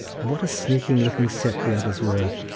and what a sneaking looking set the others were!